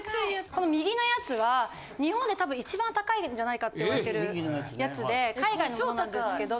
この右のやつは日本で多分一番高いんじゃないかって言われてるやつで海外のものなんですけど。